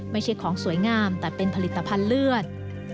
ไม่ใช่ของสวยงามแต่เป็นผลิตภัณฑ์เลือด